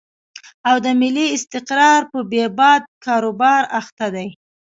او د ملي استقرار په بې باد کاروبار اخته دي.